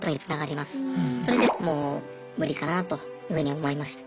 それでもう無理かなというふうに思いました。